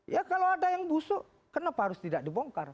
ya kalau ada yang busuk kenapa harus tidak dibongkar